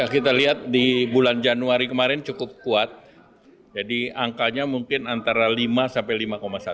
kita lihat di bulan januari kemarin cukup kuat jadi angkanya mungkin antara lima sampai lima satu